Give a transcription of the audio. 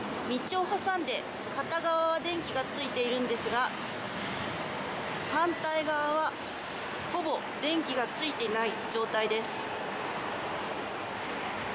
道を挟んで片側は電気がついているんですが反対側はほぼ電気がついていない状態です。